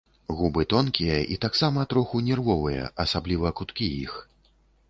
Губы тонкія і таксама троху нервовыя, асабліва куткі іх.